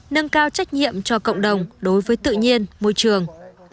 nâng cao trách nhiệm cho cộng đồng đối với tự nhiên môi trường